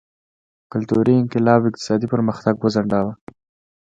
کلتوري انقلاب اقتصادي پرمختګ وځنډاوه.